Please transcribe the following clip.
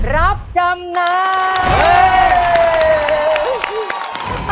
รับจำนำ